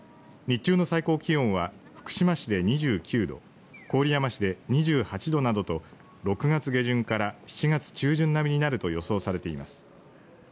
日中の最高気温は福島市で２９度、郡山市で２８度などと６月下旬から７月中旬並みになると予想されています。